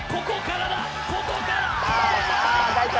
ここからだ